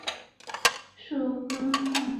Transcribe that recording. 疏果海桐为海桐科海桐属下的一个种。